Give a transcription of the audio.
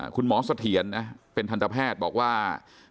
คุณหมอเสถียรเป็นทันตแพทย์บอกว่า